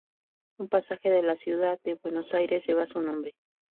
Un pasaje de la Ciudad de Buenos Aires lleva su nombre.